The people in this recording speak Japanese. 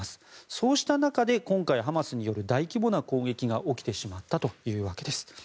そうした中で今回ハマスによる大規模な攻撃が起きてしまったというわけです。